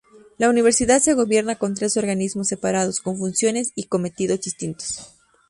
La Universidad se gobierna con tres organismos separados, con funciones y cometidos distintos.